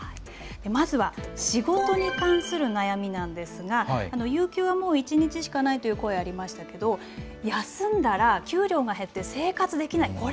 まずは仕事に関する悩みなんですが、有給はもう１日しかないという声、ありましたけど、休んだら、給料が減って、生活できない。